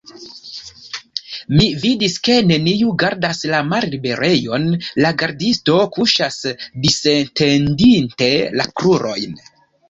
Mi vidis, ke neniu gardas la malliberejon, la gardisto kuŝas, disetendinte la krurojn.